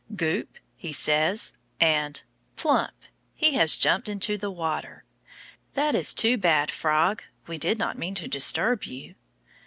Goop! he says, and plump! he has jumped into the water. That is too bad, frog; we did not mean to disturb you.